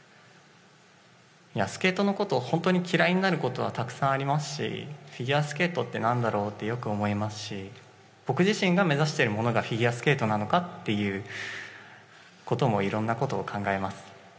スケートのことを本当に嫌いになることはたくさんありますしフィギュアスケートって何だろうってよく思いますし僕自身が目指してるものがフィギュアスケートなのかっていうこともいろいろなことを考えます。